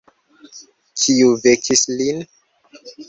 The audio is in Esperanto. Kiu vekis lin?